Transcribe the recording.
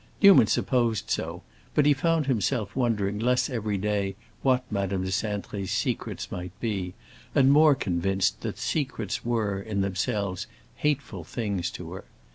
Newman supposed so, but he found himself wondering less every day what Madame de Cintré's secrets might be, and more convinced that secrets were, in themselves, hateful things to her.